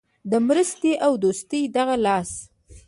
د مرستې او دوستۍ دغه لاس.